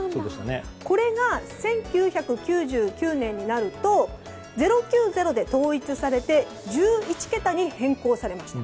これが１９９９年になると０９０で統一されて１１桁に変更されました。